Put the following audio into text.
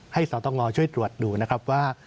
ให้สนทองงอช่วยตรวจดูนะครับว่า